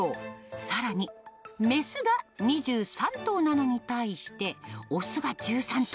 さらに、雌が２３頭なのに対して、雄が１３頭。